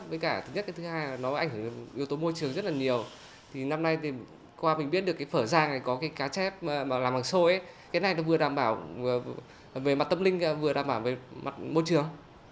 với cả thứ nhất và thứ hai là nó ảnh hưởng đến